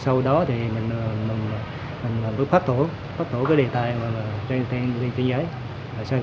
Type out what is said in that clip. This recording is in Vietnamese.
sau đó thì mình phải phát thổ đề tài trên giấy